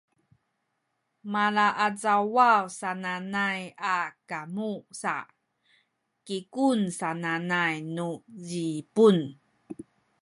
malaacawa sananay a kamu sa “kikung” sananay nu Zipun